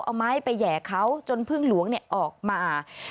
เอาไม้ไปแห่เขาจนพึ่งหลวงออกมา